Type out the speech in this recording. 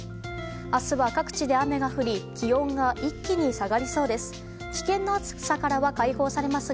明日は各地で雨が降り気温が一気に下がりそうです。